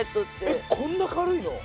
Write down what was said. えっこんな軽いの？